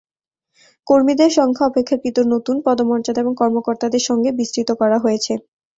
কর্মীদের সংখ্যা অপেক্ষাকৃত নতুন পদমর্যাদা এবং কর্মকর্তাদের সঙ্গে, বিস্তৃত করা হয়েছে।